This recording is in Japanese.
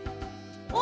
お！